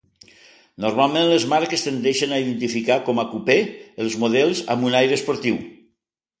Normalment les marques tendeixen a identificar com a cupè als models amb un aire esportiu.